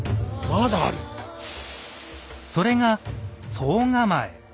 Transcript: それが「総構」。